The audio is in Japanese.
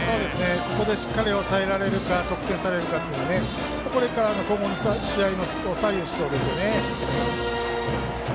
ここでしっかり抑えられるか得点されるかがこれからの試合を左右しますよね。